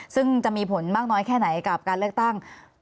ซึ่งจะมีผลมากน้อยแค่ไหนกับการเลือกตั้ง